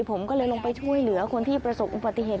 ผมก็เลยลงไปช่วยเหลือคนที่ประสบอุบัติเหตุ